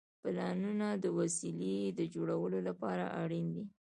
پلانونه د وسیلې د جوړولو لپاره اړین دي.